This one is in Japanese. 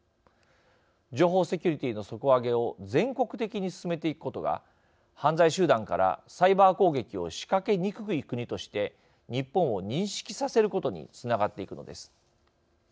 情報セキュリティーの底上げを全国的に進めていくことが犯罪集団からサイバー攻撃を仕掛けにくい国として日本を認識させることにつながっていくのです。